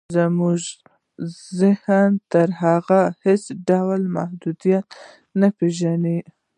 زموږ ذهن تر هغو هېڅ ډول محدودیت نه پېژني